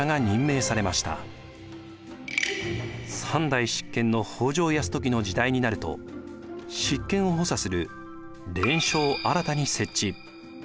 ３代執権の北条泰時の時代になると執権を補佐する連署を新たに設置。